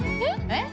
えっ？